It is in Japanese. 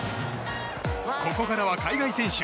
ここからは海外選手。